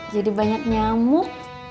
jadi banyak nyamuk